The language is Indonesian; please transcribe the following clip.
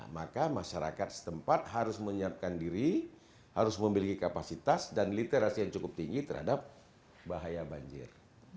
maka masyarakat setempat harus menyiapkan diri harus memiliki kapasitas dan literasi yang cukup tinggi terhadap bahaya banjir